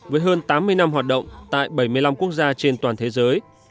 với hơn tám mươi năm hoạt động tại bảy mươi năm quốc gia trên toàn thế giới